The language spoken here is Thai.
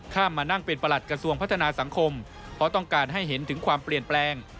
มานั่งเป็นประหลัดกระทรวงพัฒนาสังคมเพราะต้องการให้เห็นถึงความเปลี่ยนแปลง